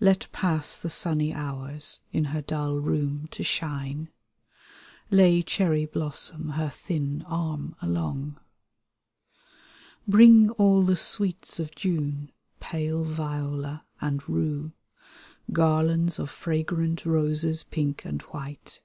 Let pass the sunny hours In her dull room to shine, Lay cherry blossom her thin arm along. Bring all the sweets of Jvme, Pale viola and rue, Garlands of fragrant roses, pink and white.